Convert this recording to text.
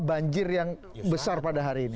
banjir yang besar pada hari ini